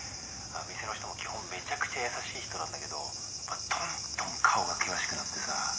「店の人も基本めちゃくちゃ優しい人なんだけどどんどん顔が険しくなってさ」